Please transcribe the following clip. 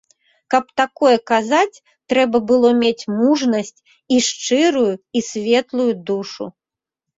Каб такое казаць, трэба было мець мужнасць і шчырую і светлую душу.